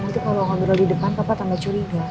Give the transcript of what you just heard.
nanti kalau ngobrol di depan papa tambah curiga